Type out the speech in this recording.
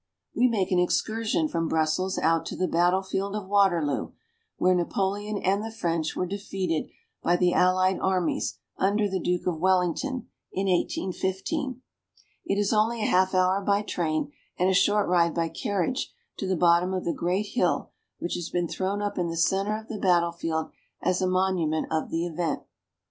132 BELGIUM. We make an excursion from Brussels out to the battle field of Waterloo, where Napoleon and the French were defeated by the allied armies under the Duke of Wellington, in 1815. It is only a half hour by train and a short ride by carriage to the bottom of the great hill which has been thrown up in the center of the battlefield as a monument of the event.